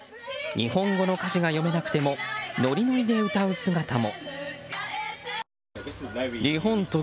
日本語の歌詞が読めなくてもノリノリで歌う姿も。